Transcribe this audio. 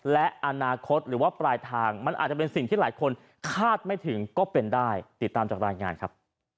และอนาคตหรือว่าปลายทางมันอาจจะเป็นสิ่งที่หลายคนคาดไม่ถึงก็เป็นได้ติดตามจากรายงานครับ